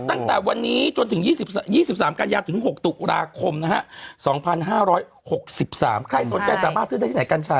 ตั้งแต่วันนี้จนถึง๒๓กันยาถึง๖ตุลาคมนะฮะ๒๕๖๓ใครสนใจสามารถซื้อได้ที่ไหนกัญชา